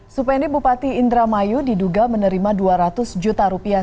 supendi bupati indramayu diduga menerima dua ratus juta rupiah